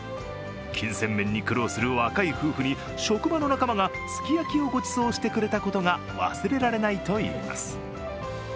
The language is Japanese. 金銭面に苦労する若い夫婦に職場の仲間がすき焼きをごちそうしてくれたことが忘れられないと言います。